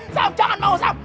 jangan mau sam